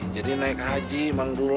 jadi naik haji dulu